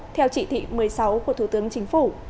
theo chỉ thị một mươi sáu của thủ tướng chính phủ